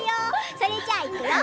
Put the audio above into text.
それじゃあ、いくよ！